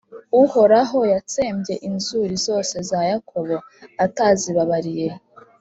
Uhoraho yatsembye inzuri zose za Yakobo, atazibabariye;